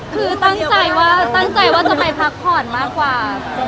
คือตั้งใจว่าจะไปพักผ่อนมากกว่า